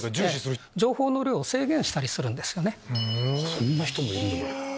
そんな人もいるんだ。